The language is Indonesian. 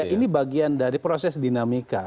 ini bagian dari proses dinamika